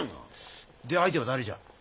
で相手は誰じゃ？